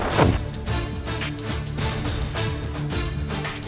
tentu saja robert